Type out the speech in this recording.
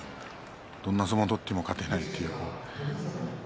どんな相撲を取っても勝てないという。